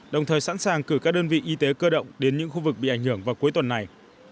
đồng thời sẵn sàng cử các đơn vị y tế cơ động đến những khu vực bị ảnh hưởng vào cuối tuần này